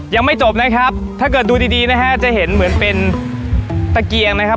ยังไม่จบนะครับถ้าเกิดดูดีดีนะฮะจะเห็นเหมือนเป็นตะเกียงนะครับ